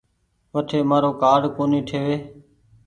وٺي مآرو ڪآرڊ ڪونيٚ ٺيوي۔